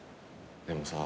でもさ